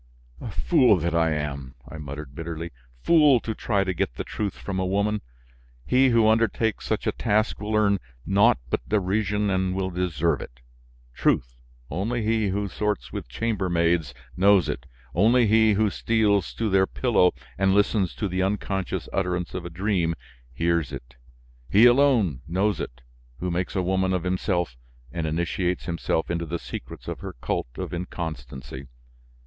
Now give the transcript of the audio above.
"Fool that I am!" I muttered bitterly, "fool to try to get the truth from a woman! He who undertakes such a task will earn naught but derision and will deserve it! Truth! Only he who sorts with chamber maids knows it, only he who steals to their pillow and listens to the unconscious utterance of a dream, hears it. He alone knows it, who makes a woman of himself and initiates himself into the secrets of her cult of inconstancy!